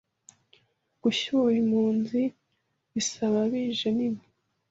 gucyura impunzi bisaba bije nini